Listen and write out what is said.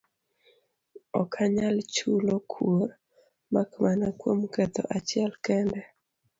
Ok anyal chulo kuor, mak mana kuom ketho achiel kende.